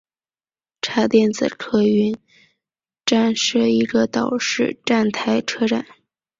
茶店子客运站是一个岛式站台车站。